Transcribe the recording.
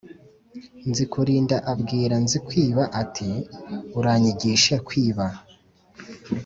Nzikurinda abwira Nzikwiba ati: "Uranyigishe kwiba"